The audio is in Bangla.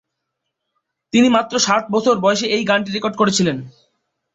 তিনি মাত্র সাত বছর বয়সে এই গানটি রেকর্ড করেছিলেন।